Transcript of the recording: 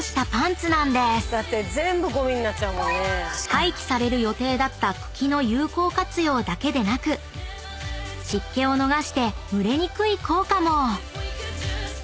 ［廃棄される予定だった茎の有効活用だけでなく湿気を逃して蒸れにくい効果も］